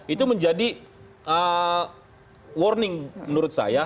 itu menjadi warning menurut saya